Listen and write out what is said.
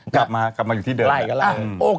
กลับมาอยู่ที่เดิม